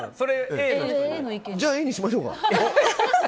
じゃあＡにしましょうか。